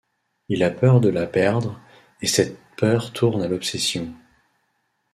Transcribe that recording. Il a peur de la perdre et cette peur tourne à l'obsession.